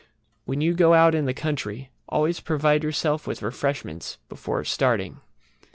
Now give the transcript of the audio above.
When you go out in the country always provide yourself with refreshments before starting.